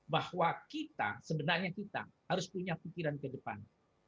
bahwa kita sebenarnya kita harus punya pikiran ke depan